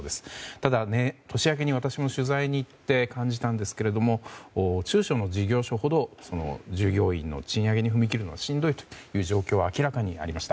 ただ、年明けに私も取材に行って感じたんですが中小の事業所ほど従業員の賃上げに踏み切るのはしんどいという状況が明らかになりました。